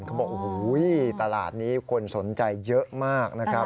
เขาบอกโอ้โหตลาดนี้คนสนใจเยอะมากนะครับ